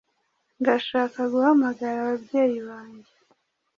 ndashaka guhamagara ababyeyi banjye.